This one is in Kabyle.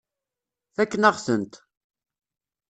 Fakken-aɣ-tent.